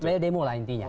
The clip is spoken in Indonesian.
membiayai demo lah intinya